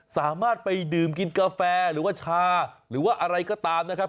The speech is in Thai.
สามารถไปดื่มกินกาแฟหรือว่าชาหรือว่าอะไรก็ตามนะครับ